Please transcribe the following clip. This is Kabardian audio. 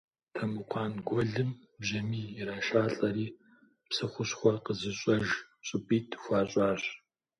Тамбукъан гуэлым бжьамий ирашалӏэри псы хущхъуэ къызыщӏэж щӏыпӏитӏ хуащӏащ.